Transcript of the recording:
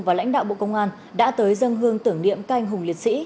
và lãnh đạo bộ công an đã tới dân hương tưởng niệm ca anh hùng liệt sĩ